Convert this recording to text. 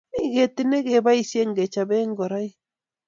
Mi ketit ne keboisie kechope ngoroik